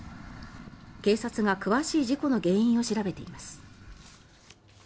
警察が詳しい事故の原因を調べています。